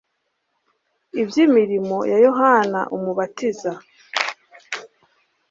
iby'imirimo ya Yohana Umubatiza.